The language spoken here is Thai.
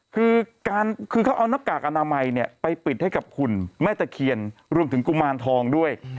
คือเขาเอาหน้ากากอนามัยเนี่ยไปปิดให้กับหุ่นแม่ตะเคียนรวมถึงกุมารทองด้วย